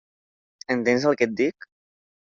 Entens el que et dic?